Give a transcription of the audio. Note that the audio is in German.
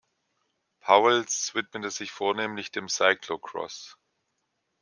Pauwels widmete sich vornehmlich dem Cyclocross.